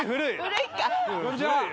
こんちは。